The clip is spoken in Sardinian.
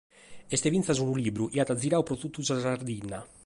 Est finas unu libru chi at giradu pro totu sa Sardigna.